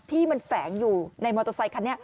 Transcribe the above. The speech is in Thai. ที่แฝงอยู่ตรงรถมอเตอร์ไซคัน